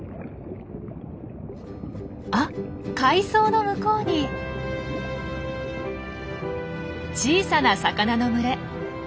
あ海藻の向こうに小さな魚の群れ。